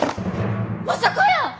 まさかやー！